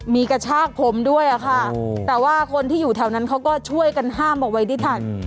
มีกระชากผมด้วยอะค่ะแต่ว่าคนที่อยู่แถวนั้นเขาก็ช่วยกันห้ามเอาไว้ได้ทัน